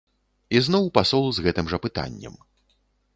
Ізноў пасол з гэтым жа пытаннем.